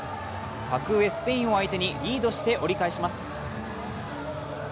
格上・スペインを相手にリードして折り返します。